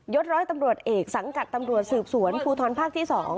ศร้อยตำรวจเอกสังกัดตำรวจสืบสวนภูทรภาคที่๒